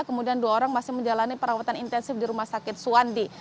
kemudian dua orang masih menjalani perawatan intensif di rumah sakit suwandi